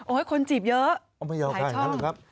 โอ๊ยคนจีบเยอะหายช่องไม่เอาค่ะอย่างนั้นเลยครับ